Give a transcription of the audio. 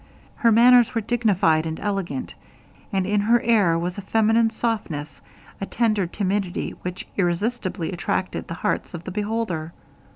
Her manners were dignified and elegant, and in her air was a feminine softness, a tender timidity which irresistibly attracted the heart of the beholder.